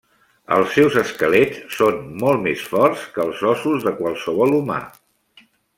Els seus esquelets són molt més forts que els ossos de qualsevol humà.